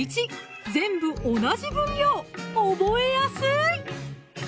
全部同じ分量覚えやすい！